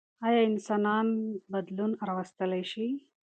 ايا انسانان بدلون راوستلی شي؟